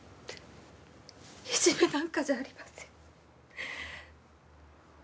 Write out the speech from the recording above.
いじめなんかじゃありません。